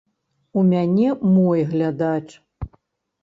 У мяне мой глядач.